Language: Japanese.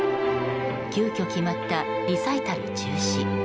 急きょ決まったリサイタル中止。